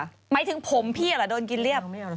หมายถึงผมพี่แหละโดนกินเรียบอาจิงเลอตเตอรี่